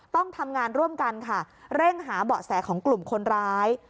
ต้องทำงานร่วมกันค่ะเร่งหาเบาะแสของกลุ่มคนร้าย